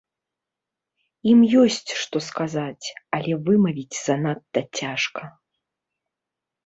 Ім ёсць што сказаць, але вымавіць занадта цяжка.